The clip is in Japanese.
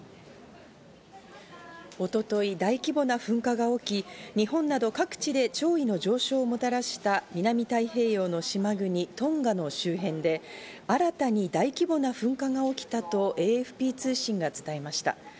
一昨日、大規模な噴火が起き、日本など各地で潮位の上昇をもたらした南太平洋の島国・トンガの周辺で新たに大規模な噴火が起きたとＡＦＰ通信が伝えました。